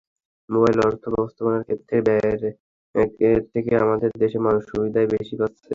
Mobile অর্থ–ব্যবস্থাপনার ক্ষেত্রে ব্যয়ের থেকে আমাদের দেশের মানুষ সুবিধাই বেশি পাচ্ছে।